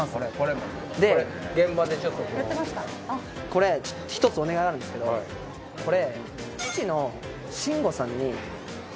これ一つお願いあるんですけどこれ。